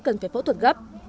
cần phải phẫu thuật gấp